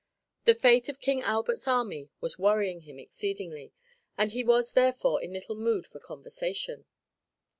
The fate of King Albert's army was worrying him exceedingly and he was therefore in little mood for conversation.